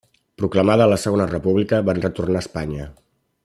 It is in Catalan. Proclamada la Segona República, van retornar a Espanya.